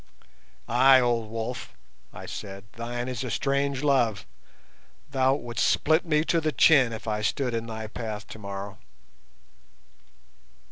"Ay, old wolf," I said, "thine is a strange love. Thou wouldst split me to the chin if I stood in thy path tomorrow."